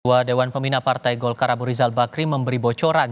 ketua dewan pembina partai golkar abu rizal bakri memberi bocoran